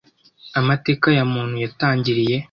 amateka ya muntu yatangiriye;